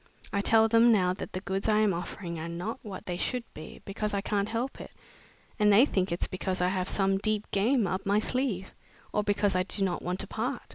I tell them now that the goods I am offering are not what they should be, because I can't help it, and they think it's because I have some deep game up my sleeve, or because I do not want to part.